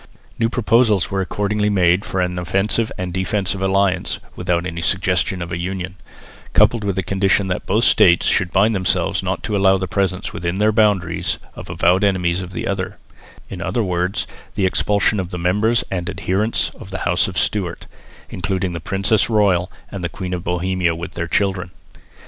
New proposals were accordingly made for an offensive and defensive alliance (without any suggestion of a union), coupled with the condition that both States should bind themselves not to allow the presence within their boundaries of avowed enemies of the other in other words the expulsion of the members and adherents of the house of Stewart, including the princess royal and the Queen of Bohemia with their children.